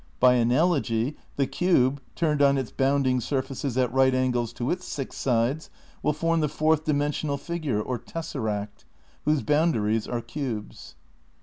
By analogy the cube, turned on its bounding surfaces at right angles to its six sides, wiU form the fourth dimensional figure, or tessaract, whose boundaries are cubes.